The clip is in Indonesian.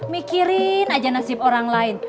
mikirin aja nasib orang lain